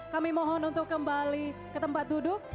kami mohon untuk kembali ke tempat duduk